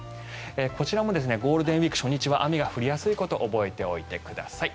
こちらもゴールデンウィーク初日は雨が降りやすいことを覚えておいてください。